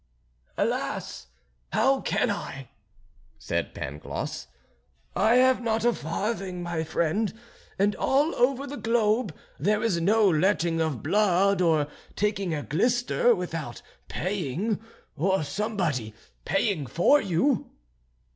"Alas! how can I?" said Pangloss, "I have not a farthing, my friend, and all over the globe there is no letting of blood or taking a glister, without paying, or somebody paying for you."